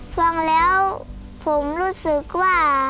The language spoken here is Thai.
ฟังแล้วผมรู้สึกว่า